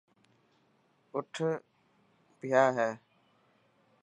اَٺ ڀيا هي.